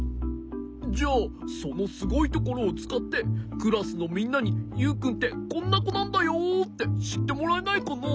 じゃあそのすごいところをつかってクラスのみんなにユウくんってこんなこなんだよってしってもらえないかな？